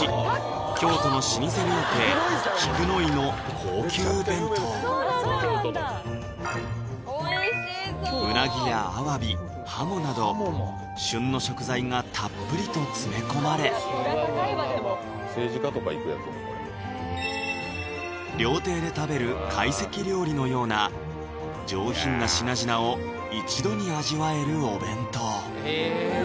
京都の老舗料亭菊乃井の高級弁当がたっぷりと詰め込まれ政治家とか行くやつやこれ料亭で食べる懐石料理のような上品な品々を一度に味わえるお弁当え！